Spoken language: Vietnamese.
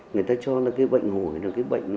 người ta cho là cái bệnh hồi là cái bệnh nó